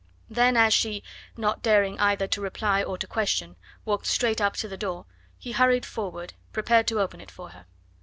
Then as she not daring either to reply or to question walked straight up to the door, he hurried forward, prepared to open it for her.